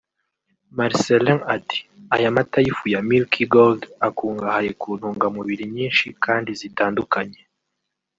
Marcellin ati”Aya mata y’ifu ya ‘Milky Gold’ akungahaye ku ntungamubiri nyinshi kandi zitandukanye